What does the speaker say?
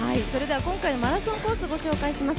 今回のマラソンコースをご紹介します。